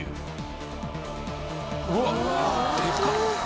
「うわっでかっ！」